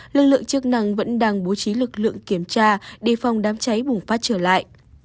lực lượng chức năng vẫn đang bố trí lực lượng kiểm tra đề phòng đám cháy bùng phát trở lại